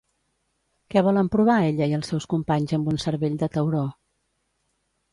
Què volen provar ella i els seus companys amb un cervell de tauró?